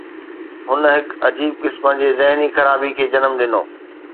هن هڪ عجيب قسم جي ذهني خرابي کي جنم ڏنو.